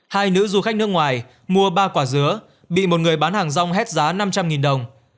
hai nữ du khách nước ngoài mua ba quả dứa bị một người bán hàng rong hết giá năm trăm linh đồng